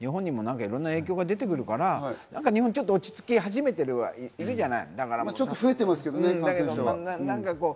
日本にも何かいろんな影響が出てくるから、日本は落ち着き始めているじゃない。